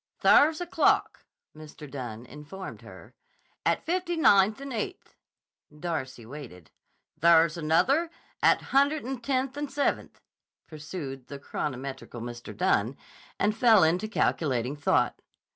"There's a clock," Mr. Dunne informed her, "at Fifty Ninth and Eighth." Darcy waited. "There's another at a Hundred'n Tenth and Seventh," pursued the chronometrical Mr. Dunne, and fell into calculating thought.